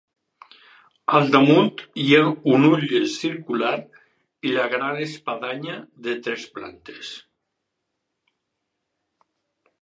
Al damunt hi ha un ull circular i la gran espadanya de tres plantes.